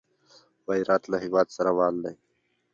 غیرت له همت سره مل دی